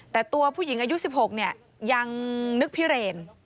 แต่ตัวผู้หญิงอายุ๑๖เนี่ยยังนึกพิเรน